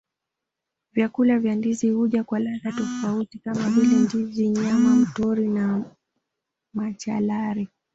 Vyakula vya ndizi huja kwa ladha tofauti kama vile ndizi nyama mtori na machalari